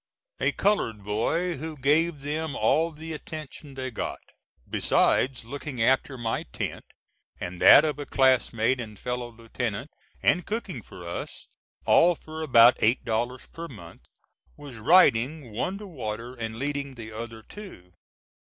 A colored boy who gave them all the attention they got besides looking after my tent and that of a class mate and fellow lieutenant and cooking for us, all for about eight dollars per month, was riding one to water and leading the other two.